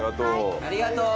ありがとう。